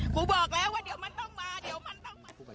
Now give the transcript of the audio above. บอกแล้วว่าเดี๋ยวมันต้องมาเดี๋ยวมันต้องมา